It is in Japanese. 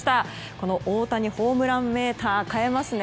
この大谷ホームランメーター変えますね。